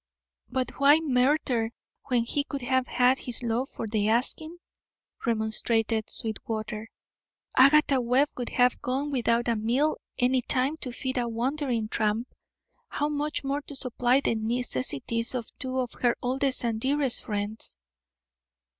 "But why murder when he could have had his loaf for the asking?" remonstrated Sweetwater. "Agatha Webb would have gone without a meal any time to feed a wandering tramp; how much more to supply the necessities of two of her oldest and dearest friends!"